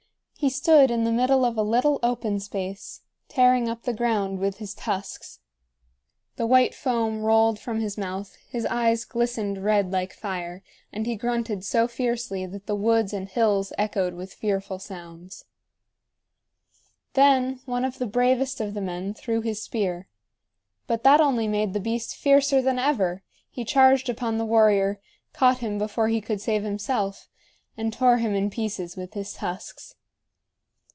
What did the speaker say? He stood in the middle of a little open space, tearing up the ground with his tusks. The white foam rolled from his mouth, his eyes glistened red like fire, and he grunted so fiercely that the woods and hills echoed with fearful sounds. [Illustration: YOU OUGHT TO HAVE SEEN THE TALL HUNTRESS MAIDEN THEN] Then one of the bravest of the men threw his spear. But that only made the beast fiercer than ever; he charged upon the warrior, caught him before he could save himself, and tore him in pieces with his tusks.